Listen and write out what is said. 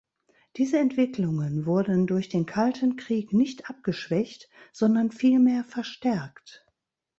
Diese Entwicklungen wurden durch den Kalten Krieg nicht abgeschwächt, sondern vielmehr verstärkt.